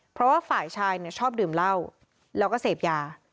เพราะว่าฝ่ายชายชอบดื่มเหล้าแล้วก็เสพยา